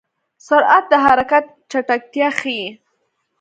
سرعت د حرکت چټکتیا ښيي.